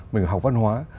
mình học văn hóa